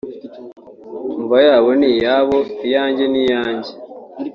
imva yabo ni iyabo iyanjye ni iyanjye